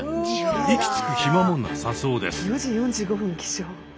息つく暇もなさそうです。